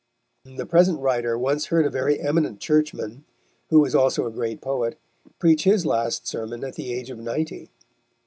The present writer once heard a very eminent Churchman, who was also a great poet, preach his last sermon, at the age of ninety.